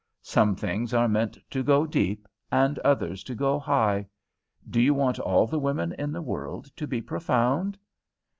Some things are meant to go deep, and others to go high. Do you want all the women in the world to be profound?"